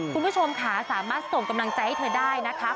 คุณผู้ชมค่ะสามารถส่งกำลังใจให้เธอได้นะคะ